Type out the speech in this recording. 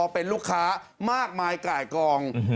เป็นลูกค้ามากมายไก่กอง